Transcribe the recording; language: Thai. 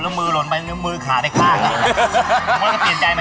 แล้วมือหล่นไปมือขาไปฆ่ากัน